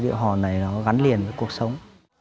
điệu hò này nó gắn liền với cuộc sống